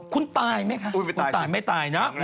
คุณตายไหมคะคุณตายไม่ตายนะ